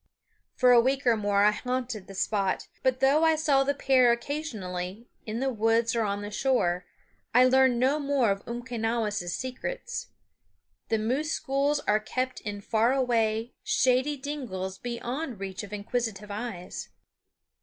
For a week or more I haunted the spot; but though I saw the pair occasionally, in the woods or on the shore, I learned no more of Umquenawis' secrets. The moose schools are kept in far away, shady dingles beyond reach of inquisitive eyes.